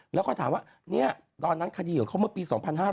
แล้วก็ถามว่าตอนนั้นคดีของเขาเมื่อปี๒๕๕๙